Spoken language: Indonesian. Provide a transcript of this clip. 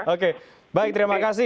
oke baik terima kasih